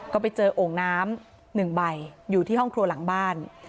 ก็ไปเจอโอ่งน้ำ๑ใบอยู่ที่ห้องครัวหลังบ้าน